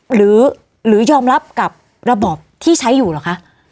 หรือยอมรับกับระบอบที่ใช้อยู่เหรอคะ